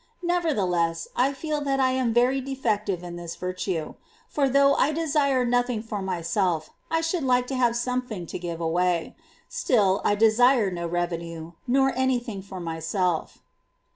Nevertheless, I feel that I am very defective in this virtue ; for, though I desire nothing for myself, I should like to have something to give away : still, I desire no revenue, nor any thing for myself.